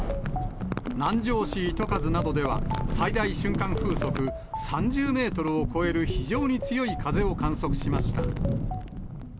南城市糸数などでは、最大瞬間風速３０メートルを超える非常に強い風を観測しました。